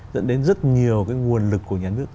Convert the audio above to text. dẫn đến rất nhiều cái nguồn lực của nhà nước